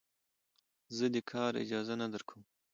زه دې کار اجازه نه درکوم.